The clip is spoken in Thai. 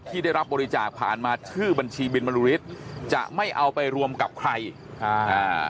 ที่ได้รับบริจาคผ่านมาชื่อบัญชีบินมรุฤทธิ์จะไม่เอาไปรวมกับใครอ่าอ่า